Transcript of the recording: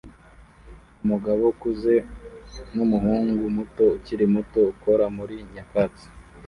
Umugabo ukuze numuhungu muto ukiri muto ukora muri nyakatsi